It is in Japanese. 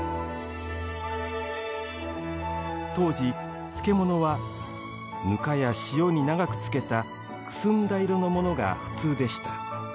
当時、漬物はぬかや塩に長く漬けたくすんだ色のものが普通でした。